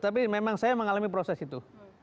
tapi memang saya mengalami proses itu